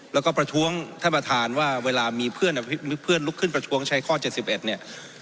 แล้วก็ประท้วงท่านประธานว่าเวลามีเพื่อนหรือเพื่อนลุกขึ้นประท้วงใช้ข้อ๗๑เนี่ย